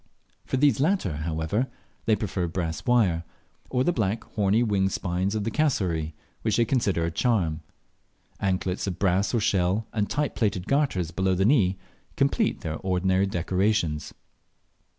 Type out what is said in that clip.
For these latter, however, they prefer brass wire, or the black, horny, wing spines of the cassowary, which they consider a charm. Anklets of brass or shell, and tight plaited garters below the knee, complete their ordinary decorations.